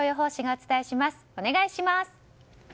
お願いします。